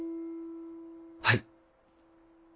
はい。